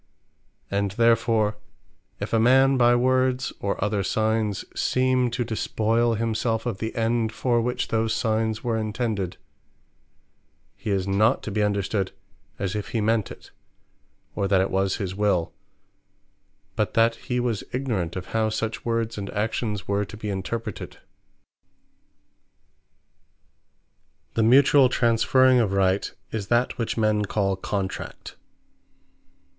And therefore if a man by words, or other signes, seem to despoyle himselfe of the End, for which those signes were intended; he is not to be understood as if he meant it, or that it was his will; but that he was ignorant of how such words and actions were to be interpreted. Contract What The mutuall transferring of Right, is that which men call CONTRACT.